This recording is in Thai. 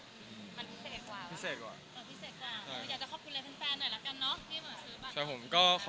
อยากจะขอบคุณให้เพื่อนแฟนหน่อยแล้วกันเนอะ